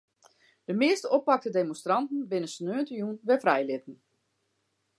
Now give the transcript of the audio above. De measte oppakte demonstranten binne sneontejûn wer frijlitten.